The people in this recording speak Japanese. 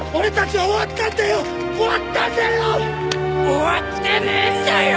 終わってねえんだよ！